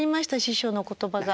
師匠の言葉が。